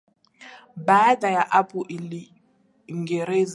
Baada ya hapo Uingereza iliiweka chini ya uongozi wa Shirikisho la Mataifa